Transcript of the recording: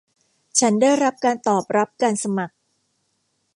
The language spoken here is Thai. ฉันได้รับการตอบรับการสมัคร